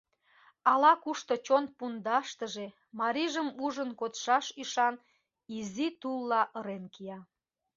Ала-кушто чон пундаштыже марийжым ужын кодшаш ӱшан изи тулла ырен кия.